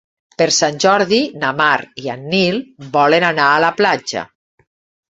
Per Sant Jordi na Mar i en Nil volen anar a la platja.